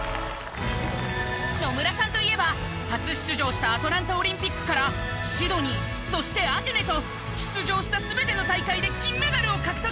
野村さんといえば初出場したアトランタオリンピックからシドニーそしてアテネと出場した全ての大会で金メダルを獲得。